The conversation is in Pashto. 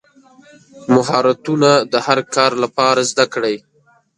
مهارتونه د هر کار لپاره زده کړئ.